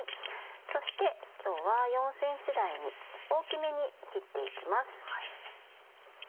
そして今日は４ｃｍ大に大きめに切って行きます。